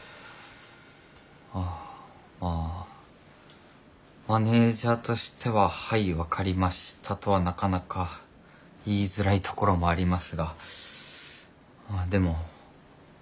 あまぁマネージャーとしてははい分かりましたとはなかなか言いづらいところもありますがでも分かりました